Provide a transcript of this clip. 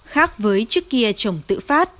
khác với trước kia trồng tự phát